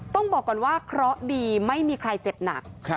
ต้องบอกก่อนว่าเคราะห์ดีไม่มีใครเจ็บหนัก